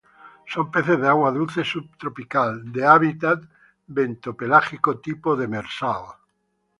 Son peces de agua dulce subtropical, de hábitat bentopelágico tipo demersal.